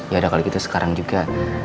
yaudah kalau gitu sekarang juga